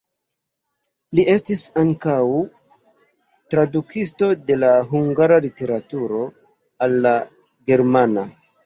Li estis ankaŭ tradukisto de la hungara literaturo al la germana.